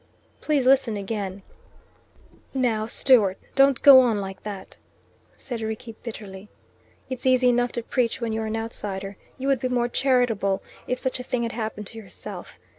Please listen again " "Now, Stewart, don't go on like that," said Rickie bitterly. "It's easy enough to preach when you are an outsider. You would be more charitable if such a thing had happened to yourself.